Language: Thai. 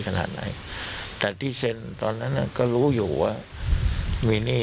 ขนาดไหนแต่ที่เซ็นตอนนั้นก็รู้อยู่ว่ามีหนี้